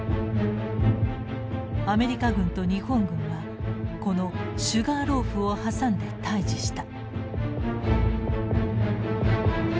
アメリカ軍と日本軍はこのシュガーローフを挟んで対峙した。